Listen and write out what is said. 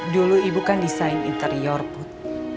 dulu ibu kan desain interior put